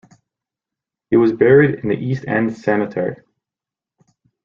He was buried in the East End Cemetery.